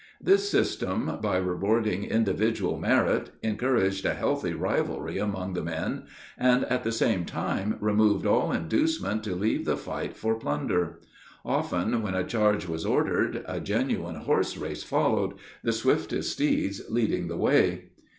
This system, by rewarding individual merit, encouraged a healthy rivalry among the men, and at the same time removed all inducement to leave the fight for plunder. Often when a charge was ordered, a genuine horse race followed, the swiftest steeds leading the way.